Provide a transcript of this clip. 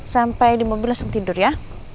sampai di mobil langsung tidur ya